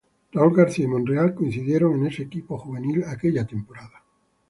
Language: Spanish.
Raúl García y Monreal coincidieron en ese equipo juvenil aquella temporada.